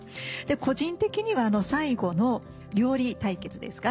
個人的には最後の料理対決ですか。